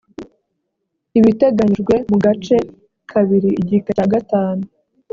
ibiteganyijwe mu gace kabiri igika cya gatanu